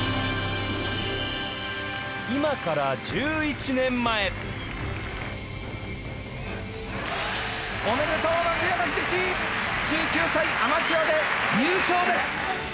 今から１１年前おめでとう松山英樹１９歳アマチュアで優勝です！